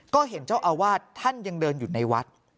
ก็เห็นเจ้าอาวาสท่านยังเดินอยู่ในวัด